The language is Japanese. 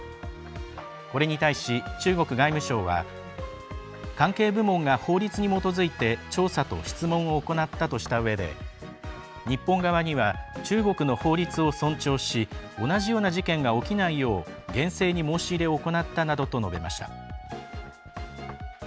これに対し、中国外務省は関係部門が法律に基づいて調査と質問を行ったとしたうえで日本側には中国の法律を尊重し同じような事件が起きないよう厳正に申し入れを行ったなどと述べました。